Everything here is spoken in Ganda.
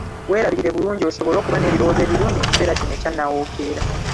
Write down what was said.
Weerabirire bulungi osobole okuba n’ebirowoozo ebirungi mu kiseera kino ekya nnawookeera.